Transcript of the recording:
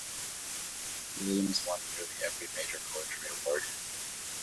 Williams won nearly every major poetry award.